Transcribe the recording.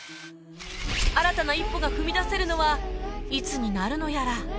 新たな一歩が踏み出せるのはいつになるのやら